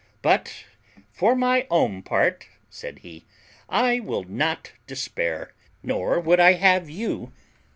But, for my own part," said he, "I will not yet despair, nor would I have you.